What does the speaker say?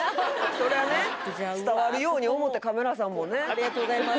そりゃね伝わるように思うてカメラさんもねありがとうございます